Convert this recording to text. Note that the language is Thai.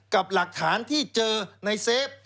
กับหลักฐานที่เจอในเซฟ